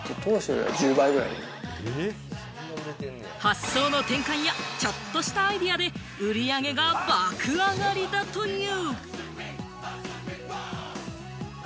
発想の転換やちょっとしたアイデアで売り上げが爆上がりだという。